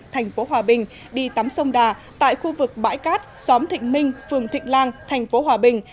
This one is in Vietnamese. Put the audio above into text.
thành phố hòa bình đi tắm sông đà tại khu vực bãi cát xóm thịnh minh phường thịnh lan thành phố hòa bình